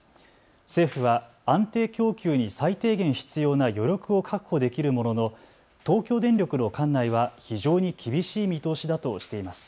政府は安定供給に最低限必要な余力を確保できるものの東京電力の管内は非常に厳しい見通しだとしています。